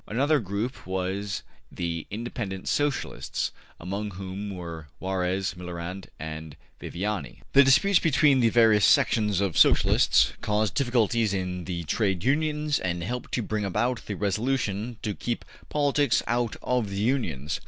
Another group was the Independent Socialists, among whom were Jaures, Millerand and Viviani. See Levine, op. cit., chap. ii. The disputes between the various sections of Socialists caused difficulties in the Trade Unions and helped to bring about the resolution to keep politics out of the Unions.